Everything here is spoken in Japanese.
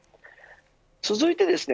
続いてですね